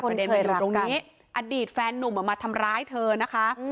ประเด็นตรงนี้อดีตแฟนนุ่มมาทำร้ายเธอนะคะ